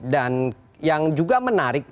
dan yang juga menarik